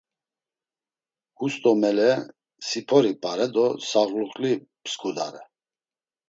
Hus do mele, sipori p̌are do sağluǩli psǩudare.